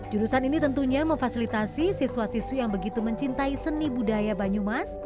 jurusan ini tentunya memfasilitasi siswa siswi yang begitu mencintai seni budaya banyumas